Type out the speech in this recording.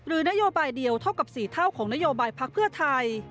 นโยบายเดียวเท่ากับ๔เท่าของนโยบายพักเพื่อไทย